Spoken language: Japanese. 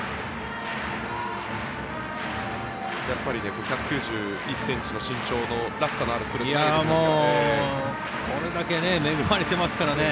やっぱり、１９１ｃｍの身長の落差のあるストレートですからね。